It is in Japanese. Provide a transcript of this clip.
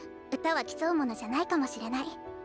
歌は競うものじゃないかもしれない。